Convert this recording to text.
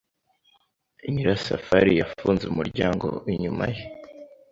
Nyirasafari yafunze umuryango inyuma ye.